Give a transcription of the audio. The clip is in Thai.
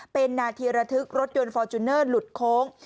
เป็นนาทีระทึกรถยนต์ฟอร์จูเนอร์หลุดโค้ง